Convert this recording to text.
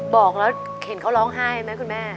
บอกแล้วเห็นเขาร้องไห้ไหมคุณแม่